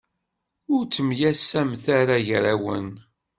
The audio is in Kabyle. Ur ttemyasamet ara gar-awen.